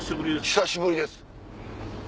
久しぶりです。